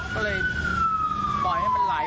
ก็เลยปล่อยให้มันไหล